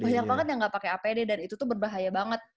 banyak banget yang nggak pakai apd dan itu tuh berbahaya banget